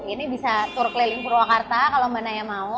ini bisa tur keliling purwakarta kalau mbak naya mau